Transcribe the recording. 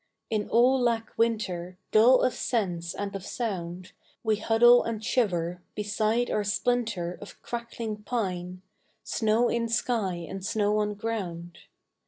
In all lack Winter, Dull of sense and of sound, We huddle and shiver Beside our splinter Of crackling pine, Snow in sky and snow on ground.